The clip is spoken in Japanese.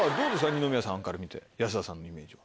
二宮さんから見て安田さんのイメージは。